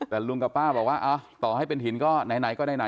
แต่ลุงกับป้าบอกว่าต่อให้เป็นหินก็ไหนก็ไหน